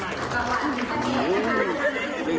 ใครบอก